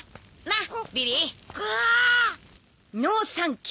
なっ？